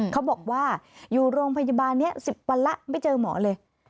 เขาบอกว่าอยู่โรงพยาบาลนี้๑๐วันแล้วไม่เจอหมอเลย